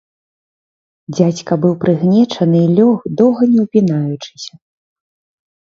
Дзядзька быў прыгнечаны і лёг, доўга не ўпінаючыся.